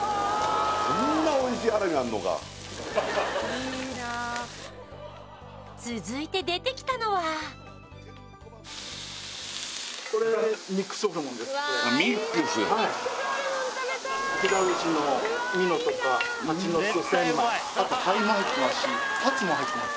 こんなおいしいハラミあるのか続いて出てきたのはああミックスはい飛騨牛のミノとかハチノスセンマイあと肺も入ってますしハツも入ってます